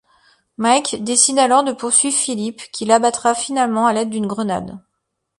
Mike décide alors de poursuivre Philip, qui l'abattra finalement à l'aide d'une grenade.